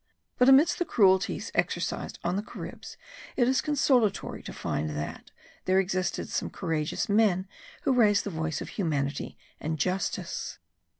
But amidst the cruelties exercised on the Caribs, it is consolatory to find, that there existed some courageous men who raised the voice of humanity and justice.